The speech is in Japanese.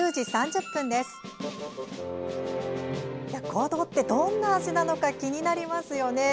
ごどって、どんな味なのか気になりますね。